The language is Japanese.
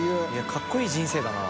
かっこいい人生だな。